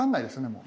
もう。